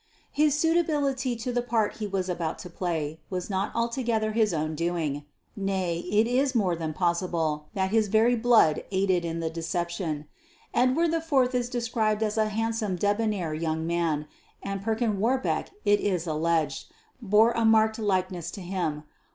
His suitability to the part he was about to play was not altogether his own doing. Nay, it is more than possible that his very blood aided in the deception. Edward IV is described as a handsome debonair young man, and Perkin Warbeck it is alleged, bore a marked likeness to him.